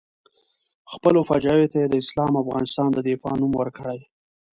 خپلو فجایعو ته یې د اسلام او افغانستان د دفاع نوم ورکړی.